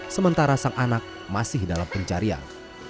sementara sang anak masih dalam pencarian